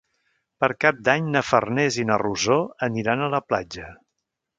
Per Cap d'Any na Farners i na Rosó aniran a la platja.